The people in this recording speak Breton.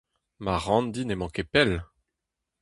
Ma ranndi n'emañ ket pell.